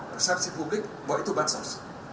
persepsi publik bahwa itu bansos